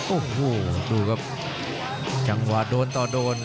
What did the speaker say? โอ้โหดูครับจังหวะโดนต่อโดน